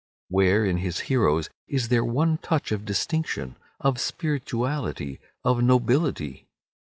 Where, in his heroes, is there one touch of distinction, of spirituality, of nobility?